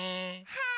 はい！